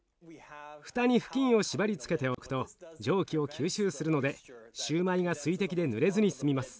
蓋に布巾を縛りつけておくと蒸気を吸収するのでシューマイが水滴でぬれずにすみます。